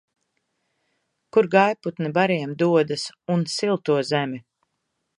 Kur gājputni bariem dodas un silto zemi?